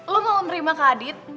lo mau nerima kak adit